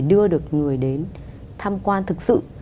đưa được người đến tham quan thực sự